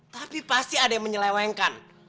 tapi pasti ada yang menyelewengkan